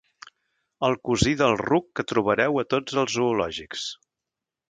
El cosí del ruc que trobareu a tots els zoològics.